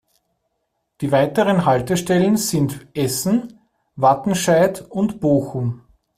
Die weiteren Haltestellen sind Essen, Wattenscheid und Bochum.